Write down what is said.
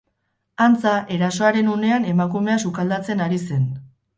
Antza, erasoaren unean emakumea sukaldatzen ari zen.